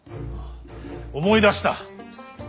思い出した。